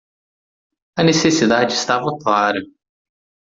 A necessidade estava clara